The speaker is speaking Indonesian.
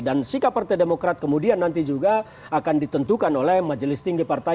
dan sikap partai demokrat kemudian nanti juga akan ditentukan oleh majelis tinggi partai